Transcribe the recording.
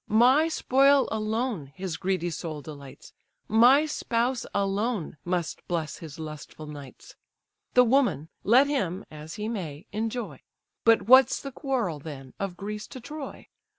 My spoil alone his greedy soul delights: My spouse alone must bless his lustful nights: The woman, let him (as he may) enjoy; But what's the quarrel, then, of Greece to Troy?